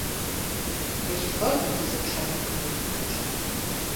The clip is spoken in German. Welche Folgen hat diese Entscheidung für die Weltgemeinschaft?